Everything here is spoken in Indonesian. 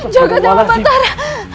jagad dewa batara